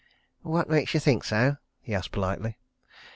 "What makes you think so?" he asked politely.